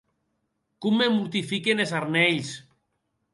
Com me mortifiquen es arnelhs!